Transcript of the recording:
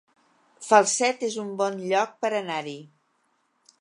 Falset es un bon lloc per anar-hi